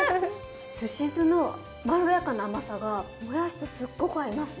すし酢のまろやかな甘さがもやしとすっごく合いますね。